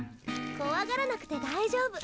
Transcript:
怖がらなくて大丈夫。